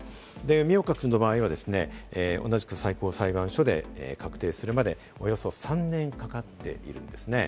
明覚寺の場合は同じく最高裁判所で確定するまで、およそ３年かかっているんですね。